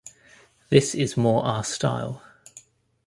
This is more our style.